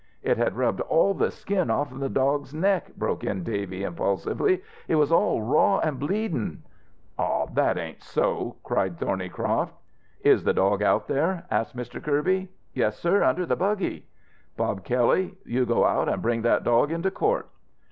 "It had rubbed all the skin off'n the dog's neck," broke in Davy impulsively. "It was all raw an' bleedin'." "Aw, that ain't so!" cried Thornycroft. "Is the dog out there?" asked Mr. Kirby. "Yes, sir, under the buggy." "Bob Kelley, you go out an' bring that dog into court."